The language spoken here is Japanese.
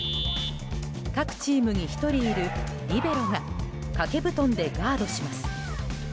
各チームにいる１人いるリベロが掛け布団でガードします。